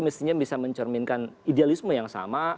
mestinya bisa mencerminkan idealisme yang sama